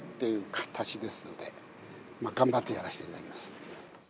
形ですので、頑張ってやらせていただきます。